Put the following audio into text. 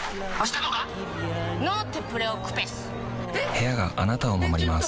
部屋があなたを守ります